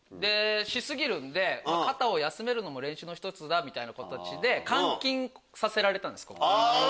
し過ぎるんで肩を休めるのも練習の一つだみたいな形で監禁させられたんです。